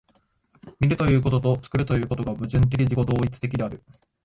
見るということと作るということとが矛盾的自己同一的である。